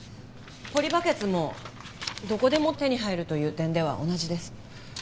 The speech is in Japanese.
ポリバケツもどこでも手に入るという点では同じです。